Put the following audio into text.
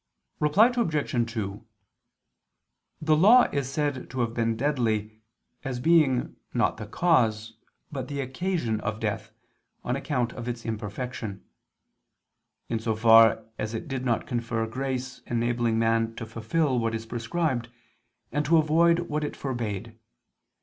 Reply Obj. 2: The law is said to have been deadly, as being not the cause, but the occasion of death, on account of its imperfection: in so far as it did not confer grace enabling man to fulfil what is prescribed, and to avoid what it forbade.